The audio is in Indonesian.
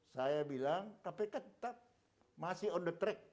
saya bilang kpk tetap masih on the track